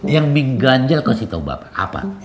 yang mengganjal kau pasti tau bapak apa